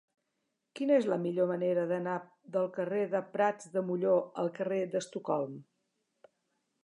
Quina és la millor manera d'anar del carrer de Prats de Molló al carrer d'Estocolm?